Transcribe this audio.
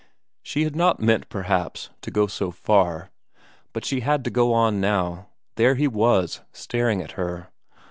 She had not meant, perhaps, to go so far, but she had to go on now; there he was, staring at her.